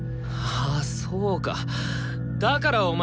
ああそうかだからお前